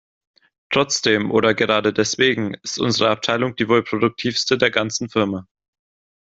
Trotzdem - oder gerade deswegen - ist unsere Abteilung die wohl produktivste der ganzen Firma.